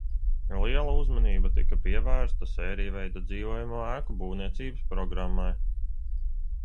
Liela uzmanība tika pievērsta sērijveida dzīvojamo ēku būvniecības programmai.